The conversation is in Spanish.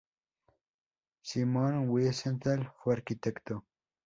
Simón Wiesenthal fue arquitecto.